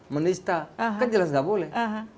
menista kan jelas nggak boleh